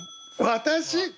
私！？